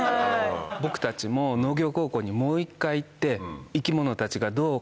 僕たちも農業高校にもう一回行って。